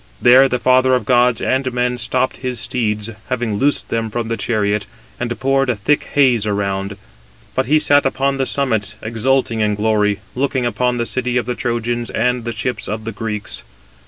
There the father of gods and men stopped his steeds, having loosed them from the chariot, and poured a thick haze around. But he sat upon the summits, exulting in glory, looking upon the city of the Trojans and the ships of the Greeks.